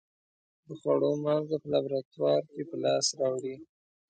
د خوړو مالګه په لابراتوار کې په لاس راوړي.